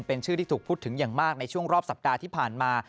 เป็นชื่อที่ถูกพูดถึงอย่างมากในช่วงรอบสัปดาห์ที่ผ่านมา